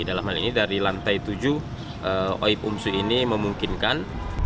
dalam hal ini dari lantai tujuh oip umsu ini memungkinkan